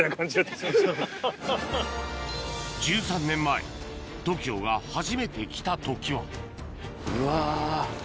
１３年前ＴＯＫＩＯが初めて来た時はうわ。